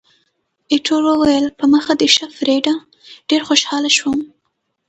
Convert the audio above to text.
ایټور وویل، په مخه دې ښه فریډه، ډېر خوشاله شوم.